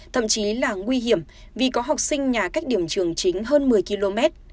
thậm chí là nguy hiểm vì có học sinh nhà cách điểm trường chính hơn một mươi km